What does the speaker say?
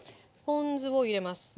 ポン酢を入れます。